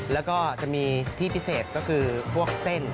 แล้วก็จะมีที่พิเศษก็คือพวกเส้น